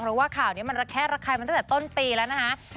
เพราะว่าข่าวนี้มันระแคะระคายมาตั้งแต่ต้นปีแล้วนะคะ